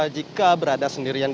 jika berada sendirian